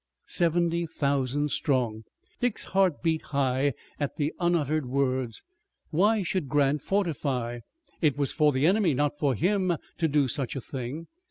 Seventy thousand strong! Dick's heart beat high at the unuttered words. Why should Grant fortify? It was for the enemy, not for him, to do such a thing.